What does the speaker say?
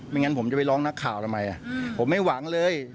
งั้นผมจะไปร้องนักข่าวทำไมผมไม่หวังเลย